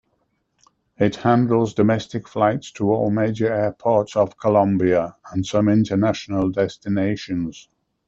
It handles domestic flights to all major airports of Colombia and some international destinations.